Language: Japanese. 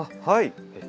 はい。